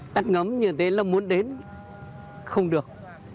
tắt ngấm như thế là muốn đến không được